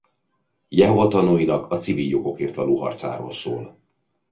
Jehova Tanúinak a civil jogokért való harcáról szól.